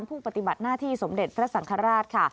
ผู้ปฏิบัติหน้าที่สมเด็จพระสังฆราชค่ะ